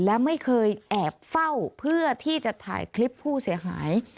และไม่เคยแอบเฝ้าเพื่อที่จะถ่ายคลิปผู้เสียหาย